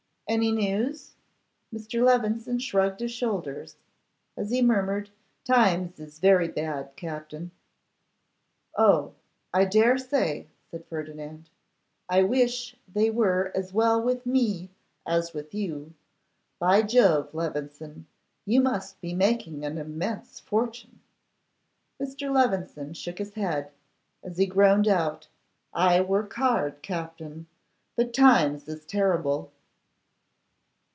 'Any news?' Mr. Levison shrugged his shoulders, as he murmured, 'Times is very bad, Captin.' 'Oh! I dare say,' said Ferdinand; 'I wish they were as well with me as with you. By Jove, Levison, you must be making an immense fortune.' Mr. Levison shook his head, as he groaned out, 'I work hard, Captin; but times is terrible.